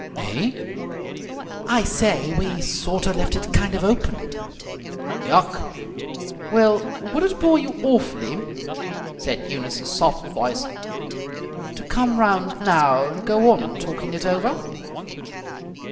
"Eh?" "I say, we sort of left it kind of open." "Yuk!" "Well, would it bore you awfully," said Eunice's soft voice, "to come round now and go on talking it over?"